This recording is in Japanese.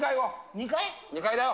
２階だよ。